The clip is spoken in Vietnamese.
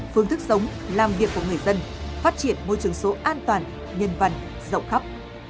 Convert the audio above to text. phương thức sống làm việc của người dân phát triển môi trường số an toàn nhân văn rộng khắp